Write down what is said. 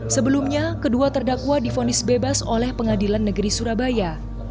sebelumnya kedua terdakwa difonis bebas oleh pengadilan negeri surabaya